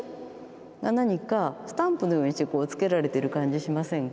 何かスタンプのようにしてつけられてる感じしませんか？